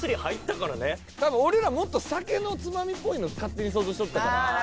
多分俺らもっと酒のつまみっぽいの勝手に想像しとったから。